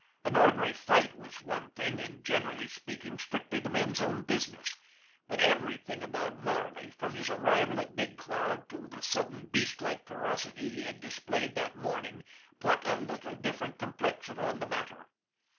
An ordinary fight was one thing, and, generally speak ing, strictly the men's own business; but everything about Marley, from his arrival at Big Cloud to the sudden beastlike ferocity he had displayed that morn ing, put a little different complexion on the matter.